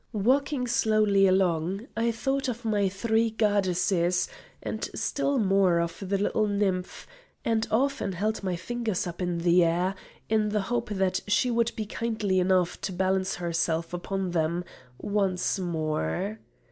Walking slowly along, I thought of my three goddesses, and still more of the little nymph, and often held my fingers up in the air in the hope that she would be kind enough to balance herself upon them once more.